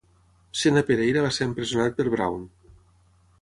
Sena Pereira va ser empresonat per Brown.